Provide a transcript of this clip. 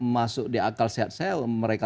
masuk di akal sehat saya mereka